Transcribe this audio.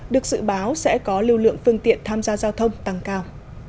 được dự báo sẽ có lưu lượng phương tiện tham gia giao thông tăng cao